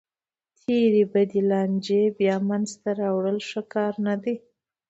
تېرې بدې لانجې بیا منځ ته راوړل ښه کار نه دی.